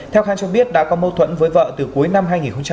theo khang cho biết đã có mâu thuẫn với vợ từ cuối năm hai nghìn một mươi chín